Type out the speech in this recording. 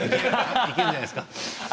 いけるんじゃないですか。